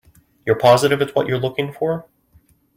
You're positive it's what you're looking for?